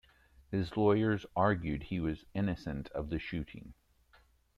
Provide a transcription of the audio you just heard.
His lawyers argued he was innocent of the shooting.